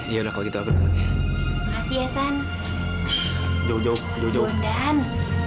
ya udah kalau gitu aku makasih ya san jauh jauh jauh jauh dan